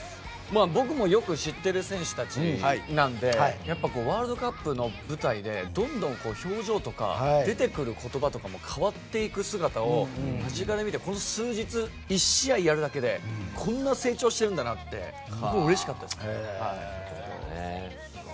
僕もよく知っている選手たちなのでワールドカップの舞台でどんどん表情とか出てくる言葉も変わっていく姿を間近で見てこの数日、１試合やるだけでこんなに成長しているんだなって僕もうれしかったです。